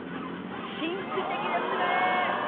神秘的ですね。